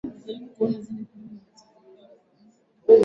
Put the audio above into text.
Farao Cleopatra wa saba wa Misri